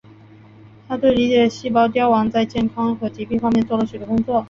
他对理解细胞凋亡在健康和疾病方面做了许多工作。